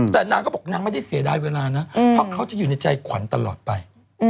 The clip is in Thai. แต่นางก็บอกนางไม่ได้เสียดายเวลานะเพราะเขาจะอยู่ในใจขวัญตลอดไป